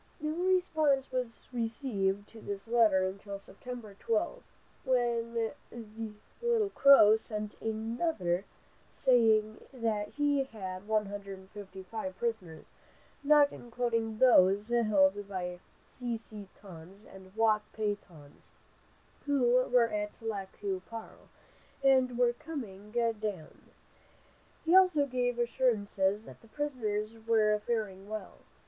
No response was received to this letter until September 12th, when Little Crow sent another, saying that he had 155 prisoners, not including those held by the Si si tons and Wak pay tons, who were at Lac qui Parle, and were coming down. He also gave assurances that the prisoners were faring well.